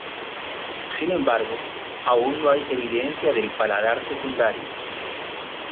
Sin embargo, aún no hay evidencia del paladar secundario.